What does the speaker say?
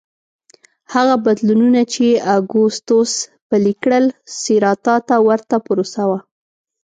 هغه بدلونونه چې اګوستوس پلي کړل سېراتا ته ورته پروسه وه